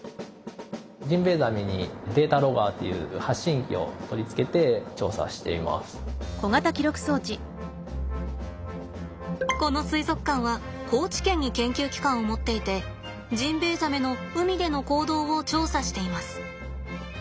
ジンベエザメにこの水族館は高知県に研究機関を持っていてジンベエザメの海での行動を調査しています。